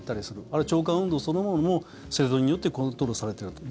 あるいは、腸管運動そのものもセロトニンによってコントロールされてると。